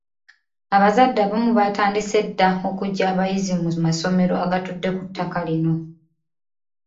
Abazadde abamu baatandise dda okuggya abayizi mu masomero agatudde ku ttaka lino.